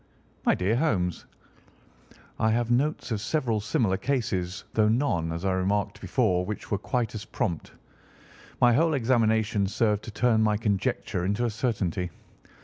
"My dear Holmes!" "I have notes of several similar cases, though none, as I remarked before, which were quite as prompt. My whole examination served to turn my conjecture into a certainty.